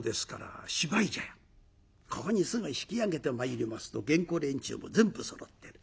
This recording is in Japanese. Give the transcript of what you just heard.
ここにすぐ引き揚げてまいりますと芸子連中も全部そろってる。